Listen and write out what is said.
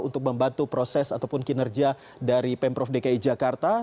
untuk membantu proses ataupun kinerja dari pemprov dki jakarta